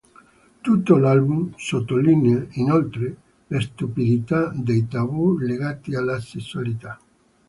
Tutto l'album sottolinea, inoltre, la stupidità dei tabù legati alla sessualità.